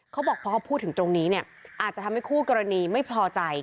เขาบอกพอเขาพูดถึงตรงนี้เนี่ยอาจจะทำให้คู่กรณีไม่พอใจ